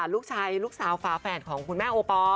ลูกชายรูปสาวฟ้าแฝดของคุณแม่โอปอร์